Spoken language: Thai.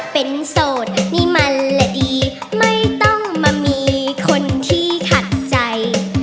เป็นโสดนี่มันละเอียดไม่ต้องมามีคนที่ขัดใจ